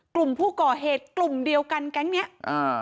กลุ่มผู้ก่อเหตุกลุ่มเดียวกันแก๊งเนี้ยอ่า